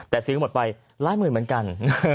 แต่ซื้อหมดไปหลายหมื่นเหมือนกัน